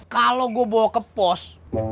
kalau gue bawa ke pos